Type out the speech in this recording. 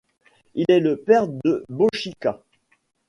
Il est le père de Bochica.